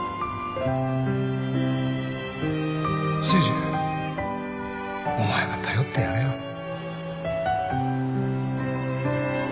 誠治お前が頼ってやれよ